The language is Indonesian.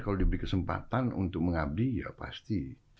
kalau diberi kesempatan untuk mengabdi ya pasti